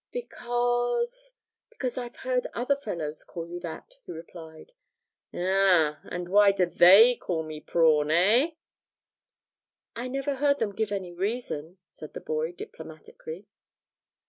'Because because I've heard other fellows call you that,' he replied. 'Ah, and why do they call me Prawn, eh?' 'I never heard them give any reason,' said the boy, diplomatically.